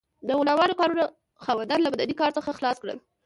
د غلامانو کارونو خاوندان له بدني کار څخه خلاص کړل.